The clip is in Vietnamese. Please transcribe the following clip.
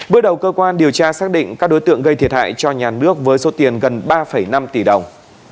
bước đầu cơ quan điều tra xác định các đối tượng gây thiệt hại cho nhà nước với số tiền gần ba năm tỷ đồng